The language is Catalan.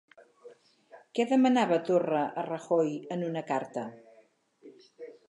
Què demanava Torra a Rajoy en una carta?